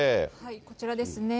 こちらですね。